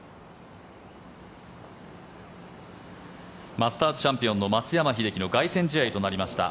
マスターズチャンピオンの松山英樹の凱旋試合となりました。